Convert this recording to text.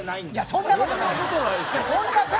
そんなことはない。